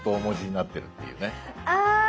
あ！